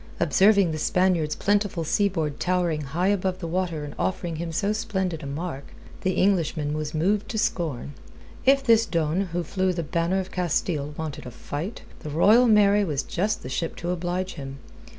Observing the Spaniard's plentiful seaboard towering high above the water and offering him so splendid a mark, the Englishman was moved to scorn. If this Don who flew the banner of Castile wanted a fight, the Royal Mary was just the ship to oblige him.